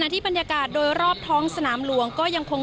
ที่ประณีโลกท้องสนามหลวงก็ยังคง